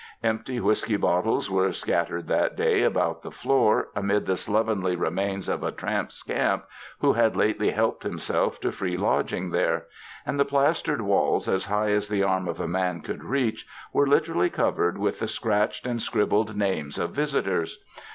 Empty whiskey bottles were scattered that day about the floor, amid the slovenly remains of a tramp's camp who had lately helped himself to free lodging there ; and the plastered walls, as high as the arm of man could reach, were literally covered with the scratched and scribbled names of visitors.